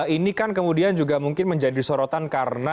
ini kan kemudian juga mungkin menjadi sorotan karena